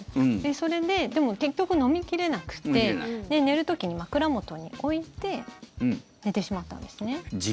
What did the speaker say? それで、でも結局、飲み切れなくて寝る時に枕元に置いて寝てしまったんですね。